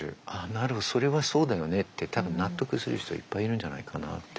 なるほどそれはそうだよねって多分納得する人いっぱいいるんじゃないかなって。